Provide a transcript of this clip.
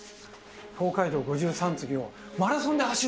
東海道五十三次をマラソンで走るんだよ！